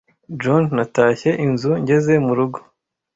John natashye inzu ngeze murugo.